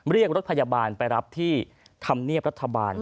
เรียกรถพยาบาลไปรับที่ธรรมเนียบรัฐบาล